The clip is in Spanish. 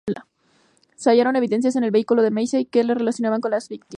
Se hallaron evidencias en el vehículo de Massey que le relacionaban con las víctimas.